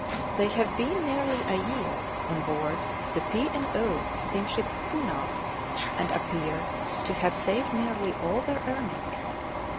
They have been nearly a year on board the P. and O. steamship 'Poonah,' and appear to have saved nearly all their earnings.